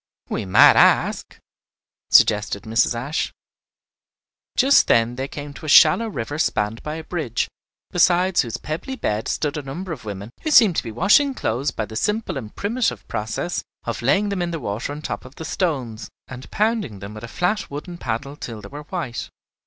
"We might ask," suggested Mrs. Ashe. Just then they came to a shallow river spanned by a bridge, beside whose pebbly bed stood a number of women who seemed to be washing clothes by the simple and primitive process of laying them in the water on top of the stones, and pounding them with a flat wooden paddle till they were white.